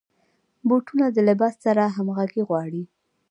بوټونه د لباس سره همغږي غواړي.